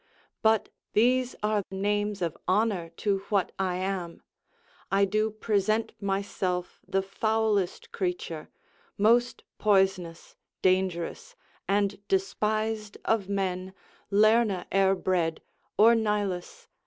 But these are names of honor to what I am: I do present myself the foulest creature, Most poisonous, dangerous, and despised of men, Lerna e'er bred, or Nilus.